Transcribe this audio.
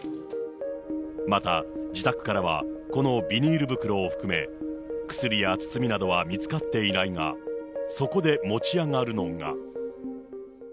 また自宅からは、このビニール袋を含め、薬や包みなどは見つかっていないが、そこで持ち上がるのが。